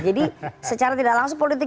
jadi secara tidak langsung politik